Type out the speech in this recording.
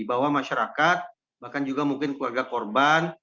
bahwa masyarakat bahkan juga mungkin keluarga korban